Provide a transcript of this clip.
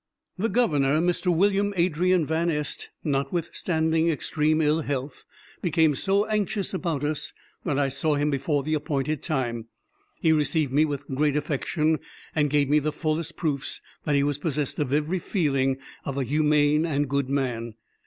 The governor, Mr. William Adrian Van Este, notwithstanding extreme ill health, became so anxious about us, that I saw him before the appointed time. He received me with great affection, and gave me the fullest proofs that he was possessed of every feeling of a humane and good man.